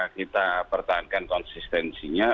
kita pertahankan konsistensinya